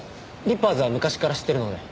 リッパーズは昔から知ってるので。